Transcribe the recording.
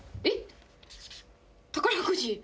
えっ？